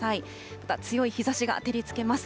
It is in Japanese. また強い日ざしが照りつけます。